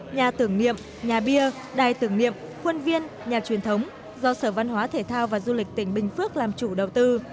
nhà tưởng niệm nhà bia đài tưởng niệm khuôn viên nhà truyền thống do sở văn hóa thể thao và du lịch tỉnh bình phước làm chủ đầu tư